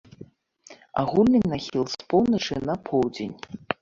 Агульны нахіл з поўначы на поўдзень.